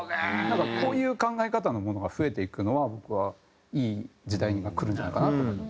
こういう考え方のものが増えていくのは僕はいい時代が来るんじゃないかなと思います。